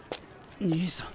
兄さん。